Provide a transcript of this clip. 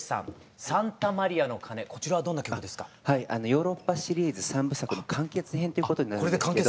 ヨーロッパシリーズ３部作の完結編ということになるんですけど